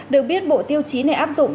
được biết bộ tiêu chí này áp dụng